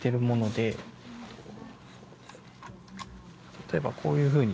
例えばこういうふうに。